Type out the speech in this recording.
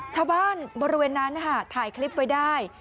ชาวบ้านบริเวณนั้นถ่ายคลิปไว้ได้